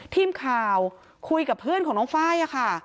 ทีมข่าวคุยกับเพื่อนของน้องไฟล์ค่ะ